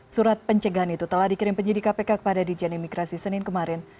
surat pencegahan itu telah dikirim penyidik kpk kepada dijen imigrasi senin kemarin